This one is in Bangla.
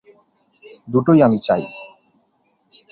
দুটোই আমি চাই।